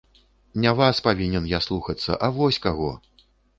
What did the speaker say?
Не вас павінен я слухацца, а вось каго!